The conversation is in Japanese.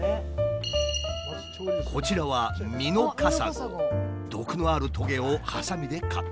こちらは毒のあるトゲをはさみでカット。